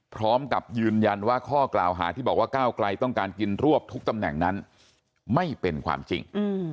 พร้อมกับยืนยันว่าข้อกล่าวหาที่บอกว่าก้าวไกลต้องการกินรวบทุกตำแหน่งนั้นไม่เป็นความจริง